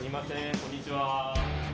こんにちは。